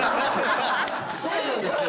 そうなんですよ。